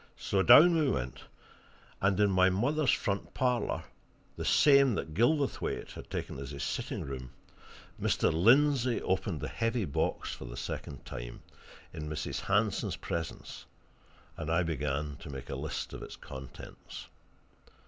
So down we went, and in my mother's front parlour, the same that Gilverthwaite had taken as his sitting room, Mr. Lindsey opened the heavy box for the second time, in Mrs. Hanson's presence, and I began to make a list of its contents.